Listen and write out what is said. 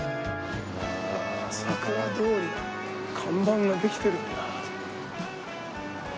さくら通りの看板ができてるんだ。